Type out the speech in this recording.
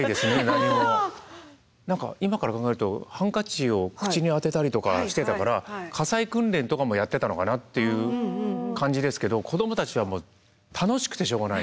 何か今から考えるとハンカチを口に当てたりとかしてたから火災訓練とかもやってたのかなっていう感じですけど子どもたちは楽しくてしょうがない。